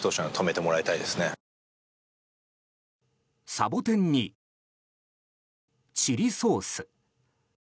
サボテンに、チリソース。